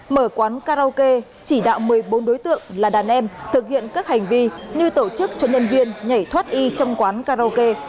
mở quán karaoke chỉ đạo một mươi bốn đối tượng là đàn em thực hiện các hành vi như tổ chức cho nhân viên nhảy thoát y trong quán karaoke